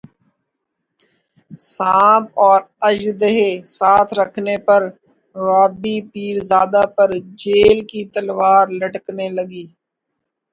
سانپ اور اژدھے ساتھ رکھنے پر رابی پیرزادہ پر جیل کی تلوار لٹکنے لگی